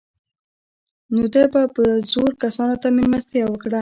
نو ده به زرو کسانو ته مېلمستیا وکړه.